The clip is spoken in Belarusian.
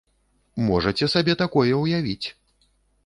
Можаце сабе такое ўявіць!